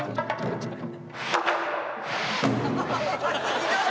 ひどい！